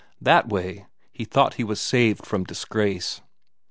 That way, he thought he was saved from disgrace.